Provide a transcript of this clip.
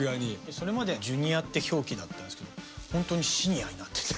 それまでＪｒ．って表記だったんですけど本当にＳｒ．になってて。